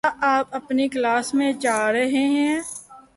کیا آپ اپنی کلاس میں جا رہے ہیں؟